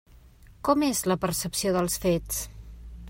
Com és la percepció dels fets?